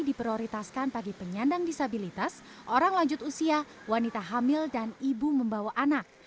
diprioritaskan bagi penyandang disabilitas orang lanjut usia wanita hamil dan ibu membawa anak